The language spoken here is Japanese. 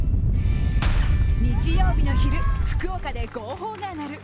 日曜日の昼、福岡で号砲が鳴る。